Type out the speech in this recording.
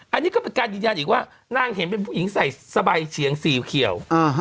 อันนี้ก็เป็นการยืนยันอีกว่านางเห็นเป็นผู้หญิงใส่สบายเฉียงสีเขียว